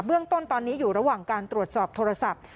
เรื่องต้นตอนนี้อยู่ระหว่างการตรวจสอบโทรศัพท์